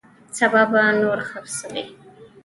سبا به نور خرڅوي.